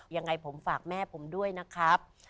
ยังไงผมฝากแม่ผมด้วยนะครับ